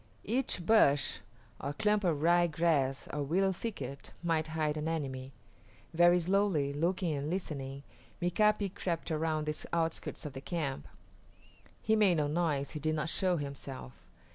Each bush or clump of rye grass or willow thicket might hide an enemy. Very slowly, looking and listening, Mika´pi crept around the outskirts of the camp. He made no noise, he did not show himself.